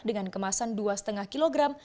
dengan kemasan dua lima kilogram